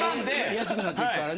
安くなってなっていくからね。